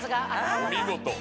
お見事。